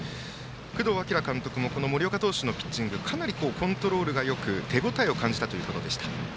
工藤明監督も森岡投手のピッチングはかなりコントロールがよく手応えを感じたということでした。